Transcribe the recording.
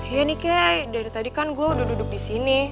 ya nih kay dari tadi kan gue udah duduk disini